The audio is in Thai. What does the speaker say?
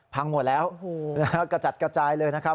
หมดแล้วกระจัดกระจายเลยนะครับ